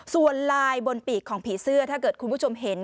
ส่วนลายบนปีกของผีเสื้อถ้าเกิดคุณผู้ชมเห็น